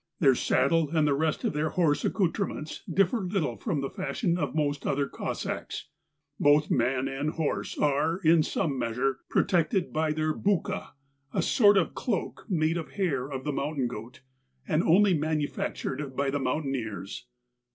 Their saddle and the rest of their horse accoutrements differ little from the fashion of most other Cossacks. But both man and horse are, in some measure, protected by their " houka,'^^ a sort of cloak made of the hair of the mountain goat, and only manufactured by the mountainers.